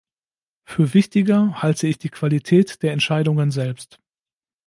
Für wichtiger halte ich die Qualität der Entscheidungen selbst.